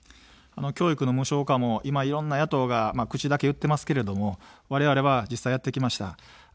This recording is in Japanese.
教育の無償化も今、いろんな野党が口だけ言ってますけれども、われわれは実際やってきました。